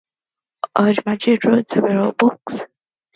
Al Mujahid wrote several books.